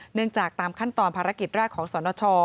เนื่องจากตามขั้นตอนภารกิจแรกของสรณชอ